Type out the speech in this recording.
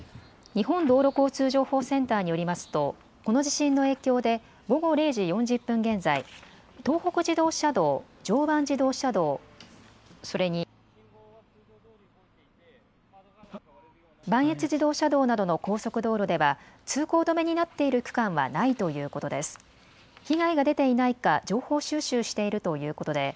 日本道路交通情報センターによりますとこの地震の影響で午後０時４０分現在、東北自動車道、常磐自動車道、それに、磐越自動車道などの高速道路では通行止めになっている区間はないということです。